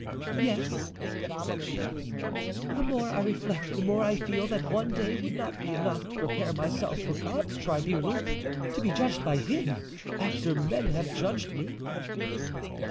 "Yes," said she, "the more I reflect the more I feel that one day would not be enough to prepare myself for God's tribunal, to be judged by Him after men have judged me."